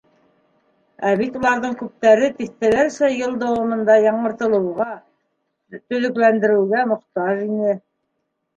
Ә бит уларҙың күптәре тиҫтәләрсә йыл дауамында яңыртылыуға, төҙөкләндерелеүгә мохтаж ине.